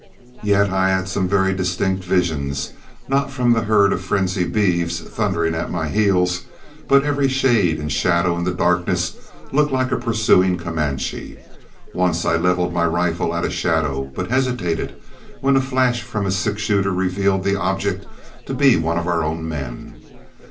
Yet I had some very distinct visions; not from the herd of frenzied beeves, thundering at my heels, but every shade and shadow in the darkness looked like a pursuing Comanche. Once I leveled my rifle at a shadow, but hesitated, when a flash from a six shooter revealed the object to be one of our own men.